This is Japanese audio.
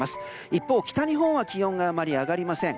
一方、北日本は気温があまり上がりません。